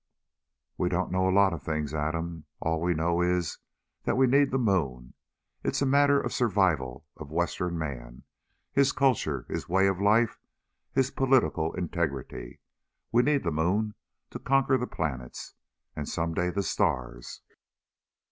"We don't know lots of things, Adam. All we know is that we need the moon. It's a matter of survival of Western Man, his culture, his way of life, his political integrity. We need the moon to conquer the planets ... and some day the stars."